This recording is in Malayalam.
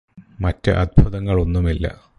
മറ്റു അത്ഭുതങ്ങൾ ഒന്നുമല്ല